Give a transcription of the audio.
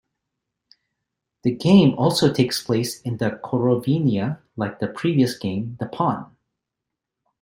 The game also takes place in Kerovnia like the previous game "The Pawn".